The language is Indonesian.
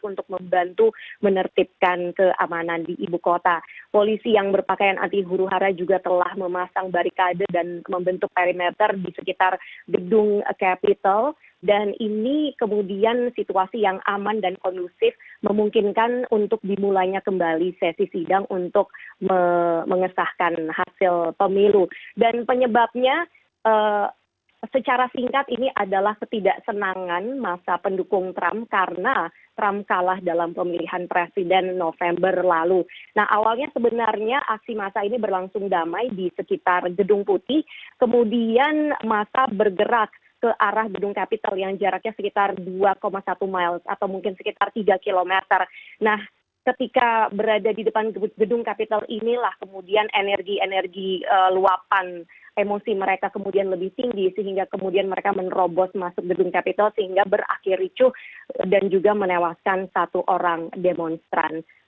nah ketika berada di depan gedung capitol inilah kemudian energi energi luapan emosi mereka kemudian lebih tinggi sehingga kemudian mereka menerobos masuk gedung capitol sehingga berakhir ricuh dan juga menewaskan satu orang demonstran